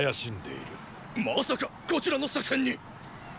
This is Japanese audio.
まさかこちらの作戦にっ！